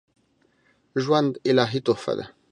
ژوند الهي تحفه ده